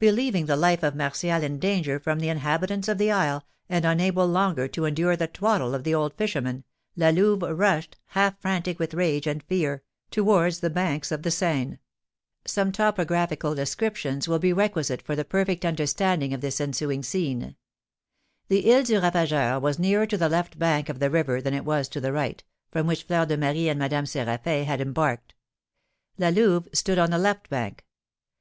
Believing the life of Martial in danger from the inhabitants of the isle, and unable longer to endure the twaddle of the old fisherman, La Louve rushed, half frantic with rage and fear, towards the banks of the Seine. Some topographical descriptions will be requisite for the perfect understanding of the ensuing scene. The Isle du Ravageur was nearer to the left bank of the river than it was to the right, from which Fleur de Marie and Madame Séraphin had embarked. La Louve stood on the left bank.